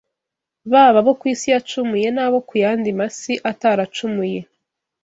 baba abo ku isi yacumuye n’abo ku yandi masi ataracumuye